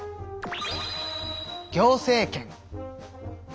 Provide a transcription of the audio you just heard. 行政権。